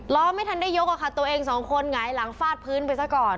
ล้อไม่ทันได้ยกอหม่ะค่ะ๒คนหลังฝาดพื้นไปซะก่อน